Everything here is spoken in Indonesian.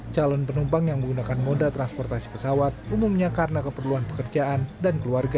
calon penumpang yang menggunakan moda transportasi pesawat umumnya karena keperluan pekerjaan dan keluarga